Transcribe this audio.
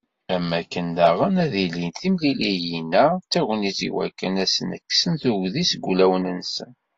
Am wakken daɣen, ad ilint temliliyin-a d tagnit i wakken ad sen-kksen tuggdi seg ulawen-nsen.